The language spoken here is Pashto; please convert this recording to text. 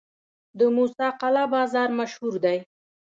د موسی قلعه بازار مشهور دی